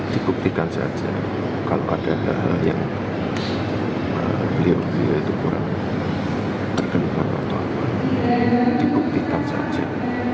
dibuktikan saja kalau ada hal hal yang beliau beliau itu kurang terdengar atau apa dibuktikan saja